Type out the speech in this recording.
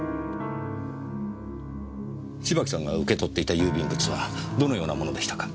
芝木さんが受け取っていた郵便物はどのようなものでしたか？